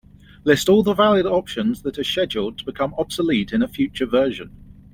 List all the valid options that are scheduled to become obsolete in a future version.